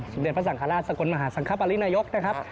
เด็จพระสังฆราชสกลมหาสังคปรินายกนะครับ